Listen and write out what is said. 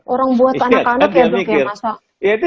orang buat anak anak ya dok yang masak